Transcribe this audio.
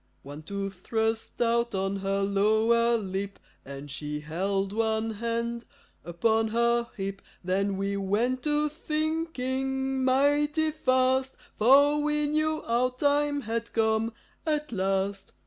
One tooth thrust out on her lower lip, And she held one hand upon her hip. Then we went to thinking mighty fast, For we knew our time had come at last.